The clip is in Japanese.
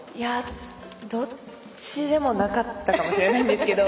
どっちでもなかったかもしれないんですけど。